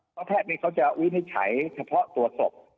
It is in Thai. เพราะแพทย์นี้เขาจะวินิจฉัยเฉพาะตัวศพ